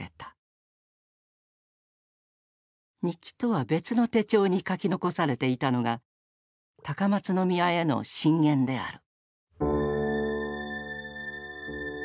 日記とは別の手帳に書き残されていたのが高松宮への進言である。